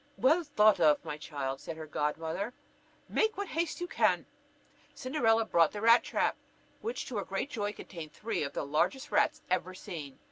"Well thought of, my child," said her godmother; "make what haste you can." Cinderella brought the rat trap, which, to her great joy, contained three of the largest rats ever seen.